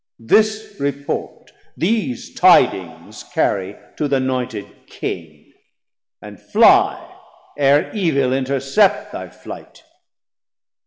This report, These tidings carrie to th' anointed King; And fly, ere evil intercept thy flight.